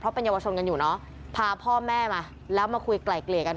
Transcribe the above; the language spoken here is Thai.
เป็นเยาวชนกันอยู่เนอะพาพ่อแม่มาแล้วมาคุยไกล่เกลี่ยกัน